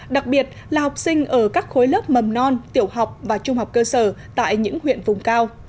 đặc biệt là học sinh ở các khối lớp mầm non tiểu học và trung học cơ sở tại những huyện vùng cao